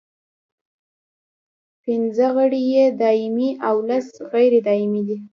پنځه غړي یې دایمي او لس غیر دایمي دي.